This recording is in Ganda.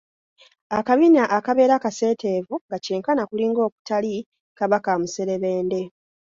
Akabina akabeera akaseeteevu nga kyenkana kulinga okutali kaba ka muserebende